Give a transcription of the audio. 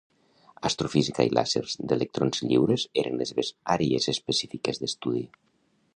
Astrofísica i làsers d'electrons lliures eren les seves àrees específiques d'estudi.